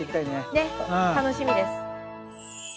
ねっ楽しみです。